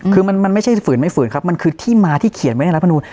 คือมันไม่ใช่ฝืนไม่ฝืนครับมันคือที่มาที่เขียนไว้ในรัฐมนูล